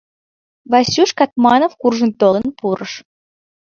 Васюш Катманов куржын толын пурыш.